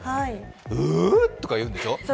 うぅとか言うんでしょう？